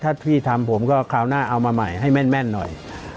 ถ้าพี่ทำผมก็คราวหน้าเอามาใหม่ให้แม่นหน่อย